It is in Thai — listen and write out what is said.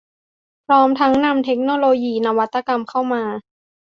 พร้อมทั้งนำเทคโนโลยีนวัตกรรมเข้ามา